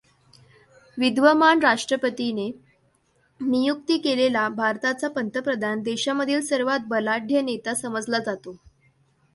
विद्यमान राष्ट्रपतीने नियुक्ती केलेला भारताचा पंतप्रधान देशामधील सर्वात बलाढ्य नेता समजला जातो.